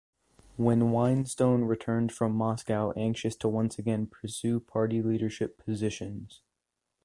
When Weinstone returned from Moscow anxious to once again pursue party leadership positions.